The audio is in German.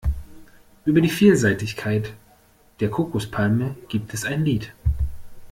Über die Vielseitigkeit der Kokospalme gibt es ein Lied.